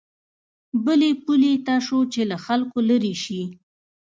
بلې پولې ته شو چې له خلکو لېرې شي.